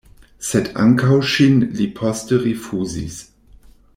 Sed ankaŭ ŝin li poste rifuzis.